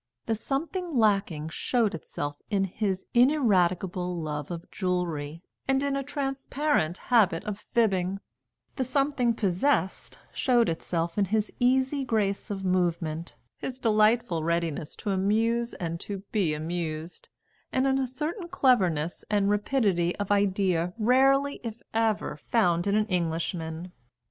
The something lacking showed itself in his ineradicable love of jewellery and in a transparent habit of fibbing; the something possessed showed itself in his easy grace of movement, his delightful readiness to amuse and to be amused, and in a certain cleverness and rapidity of idea rarely, if ever, found in an Englishman.